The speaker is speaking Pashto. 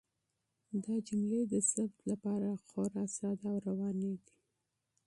دا جملې د ثبت لپاره خورا ساده او روانې دي.